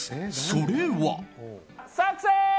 それは。